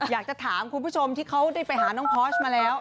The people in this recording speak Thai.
อยากจะถามคุณผู้ชมที่เขาได้ไปหาน้องพอร์ชมาแล้ว